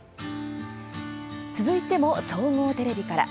続いても、総合テレビから。